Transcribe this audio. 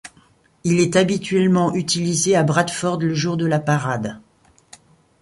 Il est habituellement utilisé à Bradford le jour de la parade.